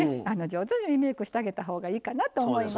上手にリメイクしてあげたほうがいいかなと思います。